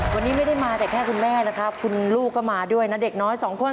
วันนี้ไม่ได้มาแต่แค่คุณแม่นะครับคุณลูกก็มาด้วยนะเด็กน้อยสองคน